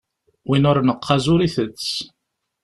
Win ur neqqaz ur itett.